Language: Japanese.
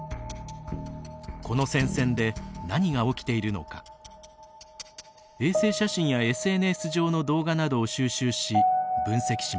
この戦線で何が起きているのか衛星写真やＳＮＳ上の動画などを収集し分析しました。